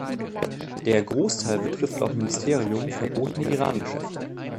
Der Großteil betrifft laut Ministerium verbotene Iran-Geschäfte.